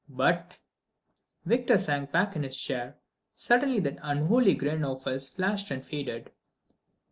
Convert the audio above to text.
But ..." Victor sank back in his chair. Suddenly that unholy grin of his flashed and faded.